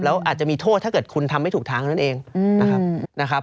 แล้วอาจจะมีโทษถ้าเกิดคุณทำไม่ถูกทางเท่านั้นเองนะครับ